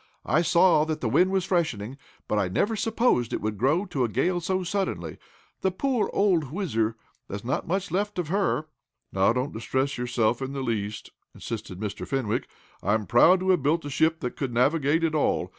I saw that the wind was freshening, but I never supposed it would grow to a gale so suddenly. The poor old WHIZZER there's not much left of her!" "Now don't distress yourself in the least," insisted Mr. Fenwick. "I'm proud to have built a ship that could navigate at all.